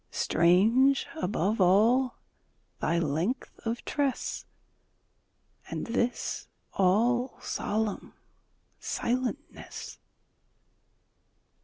Strange, above all, thy length of tress, And this all solemn silentness!